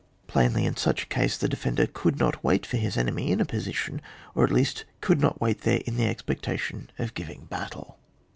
Plainly, in such a case the defender could not wait for his enemy in a position, or at least could not wait there in the ex pectation of giving battle.